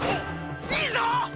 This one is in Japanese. いいぞ！